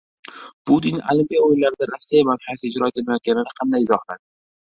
Putin Olimpiya o‘yinlarida Rossiya madhiyasi ijro etilmayotganini qanday izohladi?